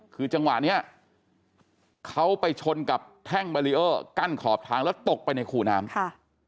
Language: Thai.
คือจังหวะเนี้ยเขาไปชนกับแท่งบารีเออร์กั้นขอบทางแล้วตกไปในคูน้ำค่ะ